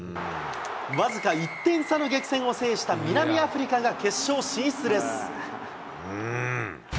僅か１点差の激戦を制した南アフリカが決勝進出です。